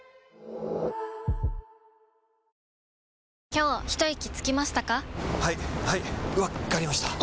今日ひといきつきましたか？